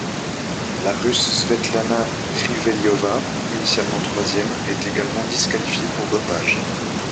La Russe Svetlana Krivelyova, initialement troisième, est également disqualifiée pour dopage.